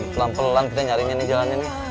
pelan pelan kita nyarinya nih jalannya nih